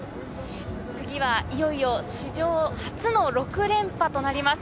次はいよいよ史上初の６連覇となります。